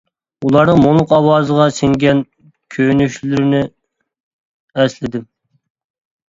ئۇلارنىڭ مۇڭلۇق ئاۋازىغا سىڭگەن كۆيۈنۈشلىرىنى ئەسلىدىم.